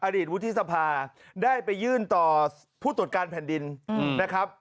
วุฒิสภาได้ไปยื่นต่อผู้ตรวจการแผ่นดินนะครับ